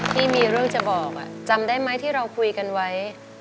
ที่มีเรื่องจะบอกจำได้ไหมที่เราคุยกันไว้